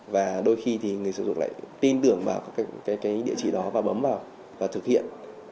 và đôi khi thì người dùng lại tin tưởng vào các địa chỉ đó và bấm vào và thực hiện